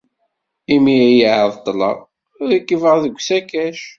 Imi ay ɛeḍḍleɣ, rekbeɣ deg usakac.